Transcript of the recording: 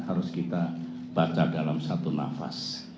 harus kita baca dalam satu nafas